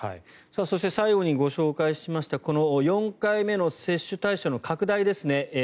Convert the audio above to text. そして、最後にご紹介した４回目の接種対象の拡大ですね。